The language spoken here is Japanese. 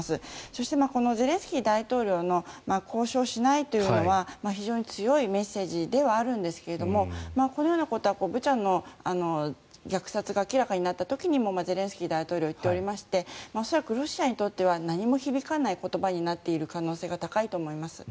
そしてこのゼレンスキー大統領の交渉しないというのは非常に強いメッセージではあるんですがこのようなことはブチャの虐殺が明らかになった時にもゼレンスキー大統領は言っておりまして恐らくロシアにとっては何も響かない言葉になっている可能性が高いと思います。